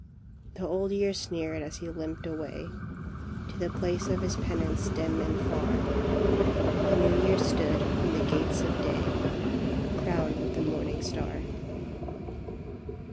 " The Old Year sneered as he limped away To the place of his penance dim and far. The New Year stood in the gates of day, Crowned with the morning star.